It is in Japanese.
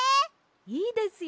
いいですよ。